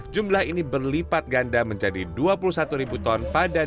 jumlah ini berlipat ganda menjadi dua puluh satu ton pada dua ribu sembilan belas